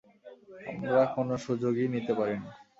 আমরা কোনও সুযোগই নিতে পারিনা।